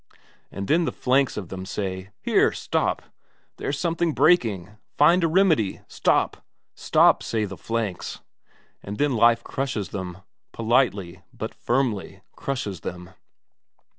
And then the flanks of them say: here, stop, there's something breaking, find a remedy; stop, say the flanks! And then life crushes them, politely but firmly crushes them.